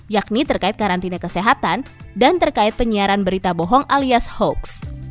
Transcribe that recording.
yakni terkait karantina kesehatan dan terkait penyiaran berita bohong alias hoax